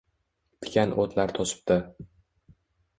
Tikan oʼtlar toʼsibdi…